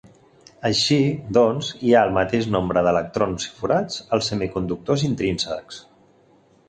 Així doncs, hi ha el mateix nombre d'electrons i forats als semiconductors intrínsecs.